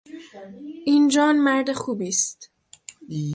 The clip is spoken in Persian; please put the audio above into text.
این جان مرد خوبی است.